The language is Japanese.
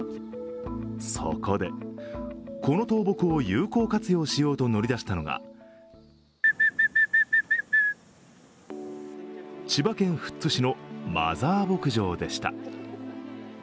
そこで、この倒木を有効活用しようと乗り出したのが千葉県富津市のマザー牧場でした。